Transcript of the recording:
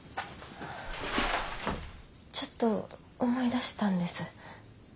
ちょっと思い出したんです。